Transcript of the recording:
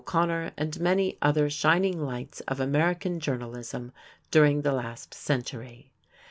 O'Connor, and many other shining lights of American journalism during the last century.